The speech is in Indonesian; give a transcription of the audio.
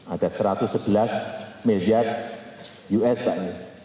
ada satu ratus sebelas miliar us kan